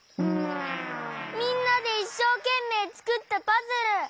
みんなでいっしょうけんめいつくったパズル！